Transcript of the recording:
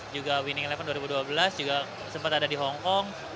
juga winning eleven dua ribu dua belas juga sempat ada di hongkong